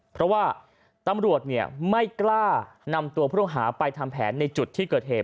เพราะว่าตำรวจไม่กล้านำตัวผู้ต้องหาไปทำแผนในจุดที่เกิดเหตุ